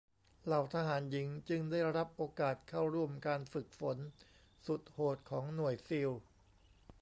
เหล่าทหารหญิงจึงได้รับโอกาสเข้าร่วมการฝึกฝนสุดโหดของหน่วยซีล